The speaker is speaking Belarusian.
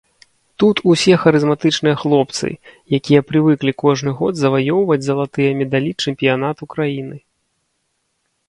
Тут усе харызматычныя хлопцы, якія прывыклі кожны год заваёўваць залатыя медалі чэмпіянату краіны.